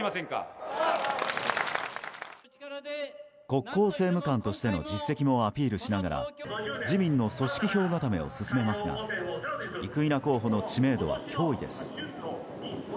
国交政務官としての実績もアピールしながら自民の組織票固めを進めますが生稲候補の知名度は脅威です。